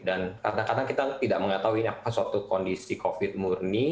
dan kadang kadang kita tidak mengetahui ini apa suatu kondisi covid sembilan belas murni